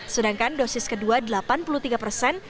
sedangkan dosis kedua delapan puluh tiga persen